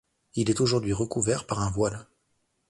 Il est aujourd'hui recouvert par un voile.